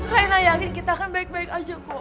kak saya yakin kita akan baik baik saja kok